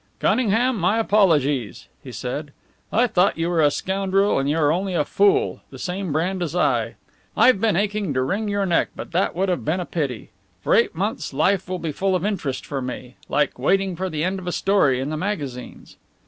"Cunningham, my apologies," he said. "I thought you were a scoundrel, and you are only a fool the same brand as I! I've been aching to wring your neck, but that would have been a pity. For eight months life will be full of interest for me like waiting for the end of a story in the magazines."